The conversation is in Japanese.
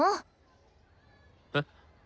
えっ？